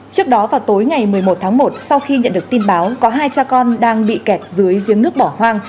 trước đó vào tối ngày một mươi một tháng một sau khi nhận được tin báo có hai cha con đang bị kẹt dưới giếng nước bỏ hoang